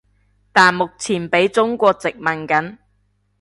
但目前畀中國殖民緊